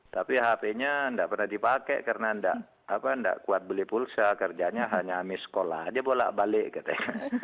tapi hpnya nggak pernah dipakai karena nggak kuat beli pulsa kerjanya hanya ambil sekolah aja bolak balik katanya